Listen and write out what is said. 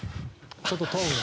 ちょっとトーンが。